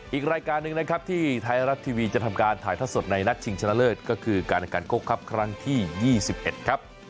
อีกรายการหนึ่งนะครับที่ไทยรัฐทีวีจะทำการถ่ายทอดสดในนัดชิงชนะเลิศก็คือการอาการโคกครับครั้งที่๒๑ครับ